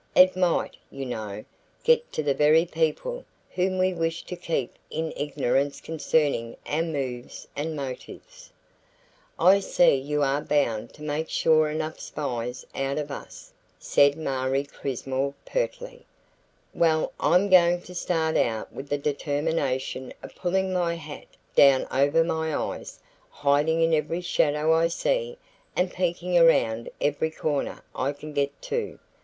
It might, you know, get to the very people whom we wish to keep in ignorance concerning our moves and motives." "I see you are bound to make sure enough spies out of us," said Marie Crismore pertly. "Well, I'm going to start out with the determination of pulling my hat down over my eyes, hiding in every shadow I see and peeking around every corner I can get to.